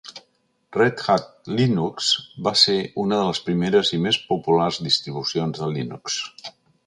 Red Hat Linux va ser una de les primeres i més populars distribucions de Linux.